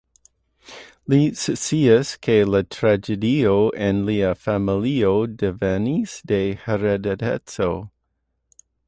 Li sciis, ke la tragedio en lia familio devenis de heredeco.